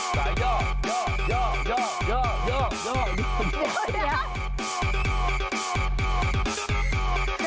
จะยอก